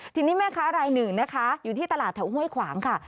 ทีนี้แม่ค้ารายหนึ่งนะคะอยู่ที่ตลาดแถวห้วยขวางค่ะ